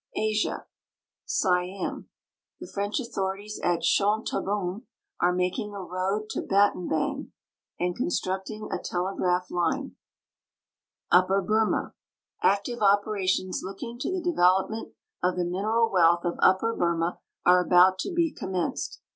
ASIA The French authorities at Chentabun are making a road to Bat tambang and constructing a telegraph line. GEOGRAPHIC NOTES 219 Upper Bcrma. Active operations looking to the development of the mineral wealth of Upper Burma are about to be commenced.